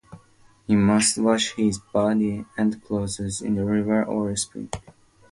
He must wash his body and clothes in a river or spring.